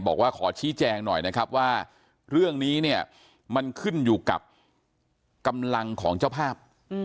บอกว่าขอชี้แจงหน่อยนะครับว่าเรื่องนี้เนี่ยมันขึ้นอยู่กับกำลังของเจ้าภาพ